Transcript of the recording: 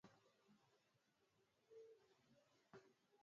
kati yao walivuta bangi mwaka uliopita kati yao walivuta bangi mwezi uliopita